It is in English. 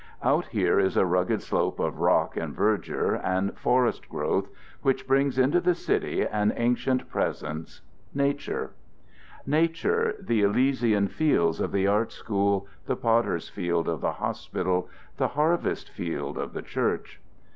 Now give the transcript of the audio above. Out here is a rugged slope of rock and verdure and forest growth which brings into the city an ancient presence, nature nature, the Elysian Fields of the art school, the potter's field of the hospital, the harvest field of the church.